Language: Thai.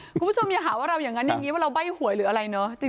คุณผู้ชมอย่าหาว่าเราแบ่หวยหรืออะไรเนอะ